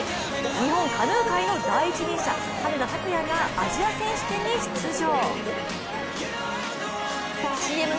日本カヌー界の第一人者、羽根田卓也がアジア選手権に出場。